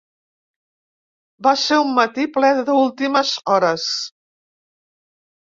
Va ser un matí ple d’últimes hores.